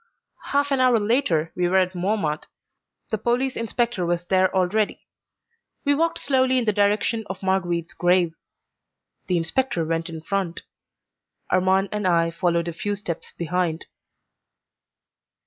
Half an hour later we were at Montmartre. The police inspector was there already. We walked slowly in the direction of Marguerite's grave. The inspector went in front; Armand and I followed a few steps behind.